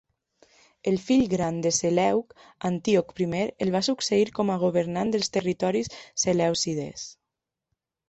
El fill gran de Seleuc, Antíoc I, el va succeir com a governant dels territoris selèucides.